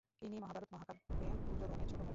ইনি মহাভারত মহাকাব্যে দুর্যোধনের ছোট ভাই।